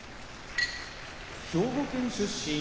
兵庫県出身